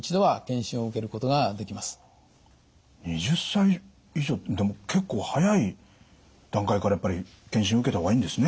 ２０歳以上でも結構早い段階からやっぱり検診受けた方がいいんですね？